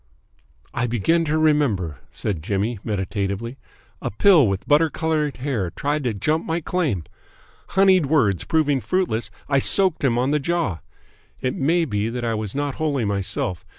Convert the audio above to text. "I begin to remember," said Jimmy meditatively. "A pill with butter coloured hair tried to jump my claim. Honeyed words proving fruitless, I soaked him on the jaw. It may be that I was not wholly myself.